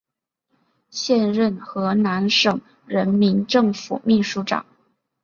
现任河南省人民政府秘书长。